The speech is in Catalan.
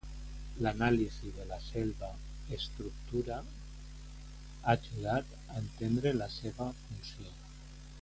L'anàlisi de la selva estructura ha ajudat a entendre la seva funció.